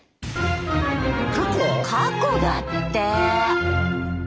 過去だって。